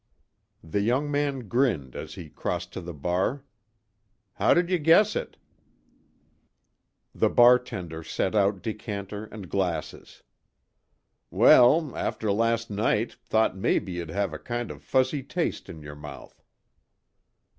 The young man grinned as he crossed to the bar: "How did you guess it?" The bartender set out decanter and glasses. "Well, after last night, thought maybe you'd have a kind of fuzzy taste in your mouth."